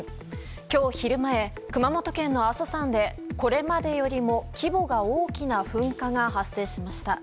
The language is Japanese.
今日昼前、熊本県の阿蘇山でこれまでよりも規模が大きな噴火が発生しました。